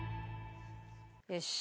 よし。